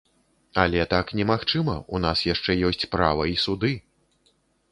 Але так немагчыма, у нас яшчэ ёсць права і суды.